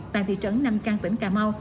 tại thị trấn nam cang tỉnh cà mau